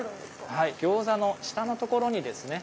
はい餃子の下のところにですね